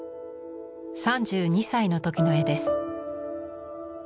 ３２歳の時の絵です。